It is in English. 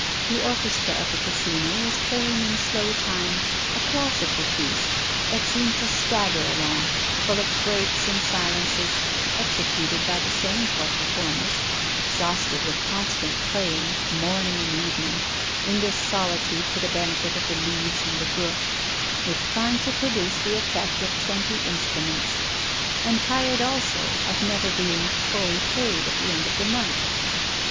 The orchestra of the Casino was playing in slow time a classical piece that seemed to stagger along, full of breaks and silences, executed by the same four performers, exhausted with constant playing, morning and evening, in this solitude for the benefit of the leaves and the brook, with trying to produce the effect of twenty instruments, and tired also of never being fully paid at the end of the month.